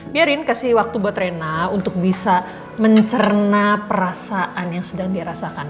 biarin kasih waktu buat rena untuk bisa mencerna perasaan yang sedang dia rasakan